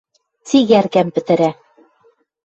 Цигӓркӓм пӹтӹрӓ.